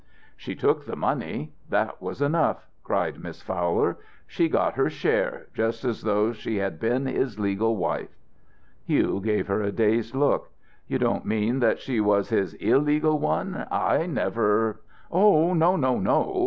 "She took the money. That was enough," cried Miss Fowler. "She got her share, just as though she had been his legal wife." Hugh gave her a dazed look. "You don't mean that she was his illegal one? I never " "Oh no, no!"